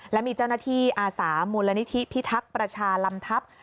และมีเจ้าหน้าที่อาสามูลนิธิพิทักษ์ประชาลำทัพ